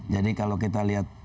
jadi kalau kita lihat